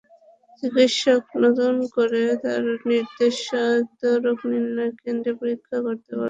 চিকিৎসক নতুন করে তাঁর নির্দেশিত রোগনির্ণয় কেন্দ্রে পরীক্ষা করতে বলেছেন তাঁকে।